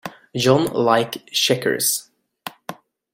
John likes checkers.